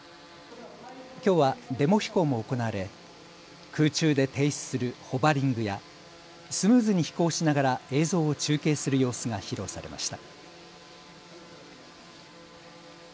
きょうはデモ飛行も行われ空中で停止するホバリングや、スムーズに飛行しながら映像を中継する様子が披露されました。